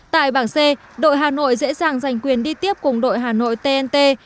tại bảng c đội hà nội dễ dàng giành quyền đi tiếp cùng đội hà nội tnt